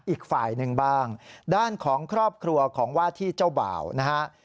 อีกฝ่ายหนึ่งบ้างด้านของครอบครัวของว่าที่เจ้าบ่าวนะฮะ